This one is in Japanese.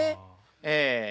ええ。